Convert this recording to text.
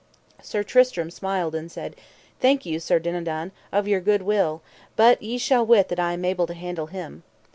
Sir Tristram smiled and said: I thank you, Sir Dinadan, of your good will, but ye shall wit that I am able to handle him.